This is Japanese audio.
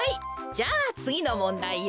じゃあつぎのもんだいよ。